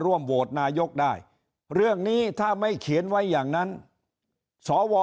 ร่วมโหวตนายกได้เรื่องนี้ถ้าไม่เขียนไว้อย่างนั้นสว